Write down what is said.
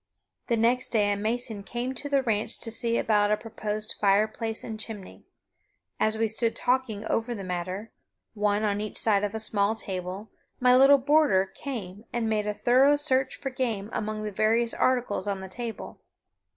The next day a mason came to the ranch to see about a proposed fireplace and chimney. As we stood talking over the matter, one on each side of a small table, my little boarder came and made a thorough search for game among the various articles on the table.